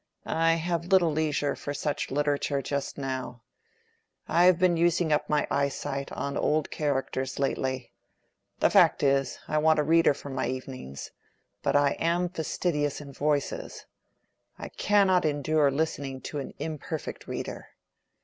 "I have little leisure for such literature just now. I have been using up my eyesight on old characters lately; the fact is, I want a reader for my evenings; but I am fastidious in voices, and I cannot endure listening to an imperfect reader.